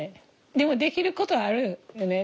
でもできることあるよね。